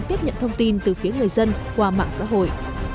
tiếp nhận thông tin từ phía người dân qua mạng xã hội